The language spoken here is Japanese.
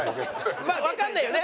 まあわからないよね。